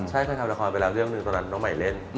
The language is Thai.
ใช่เคยทำละครไปแล้วเรื่องหนึ่งตอนนั้นน้องใหม่เล่น